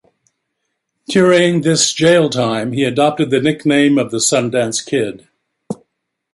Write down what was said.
During this jail time, he adopted the nickname of the Sundance Kid.